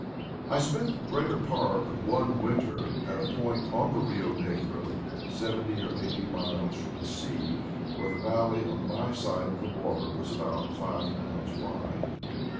I spent the greater part of one winter at a point on the Bio Negro, seventy or eighty miles from the sea, where the valley on my side of the water was about five miles wide.